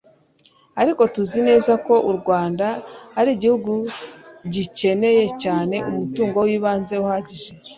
ariko, tuzi neza ko u rwanda ari iguhugu kigikeneye cyane umutungo w'ibanze uhagije